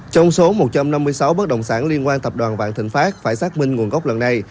trong số một trăm năm mươi sáu bất động sản liên quan tập đoàn vạn thịnh pháp phải xác minh nguồn gốc lần này